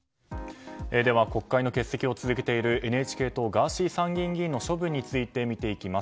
国会の欠席を続けているＮＨＫ党、ガーシー参議院議員の処分について見ていきます。